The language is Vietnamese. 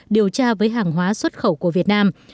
điều tra với hàng hóa xuất khẩu của việt nam